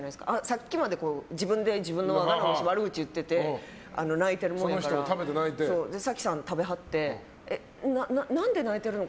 さっきまで自分で自分の飯悪口言ってて泣いてるもんやから早紀さん食べはってなんで泣いてるの？